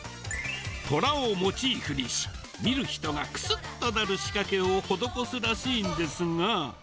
トラをモチーフにし、見る人がくすっとなる仕掛けを施すらしいんですが。